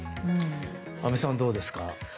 安部さん、どうですか。